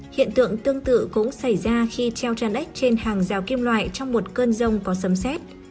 hiện tượng tương tự cũng xảy ra khi treo ex trên hàng rào kim loại trong một cơn rông có sấm xét